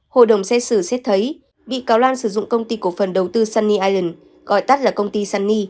hội đồng xét xử xét thấy bị cáo lan sử dụng công ty cổ phần đầu tư sunny ireland gọi tắt là công ty sunny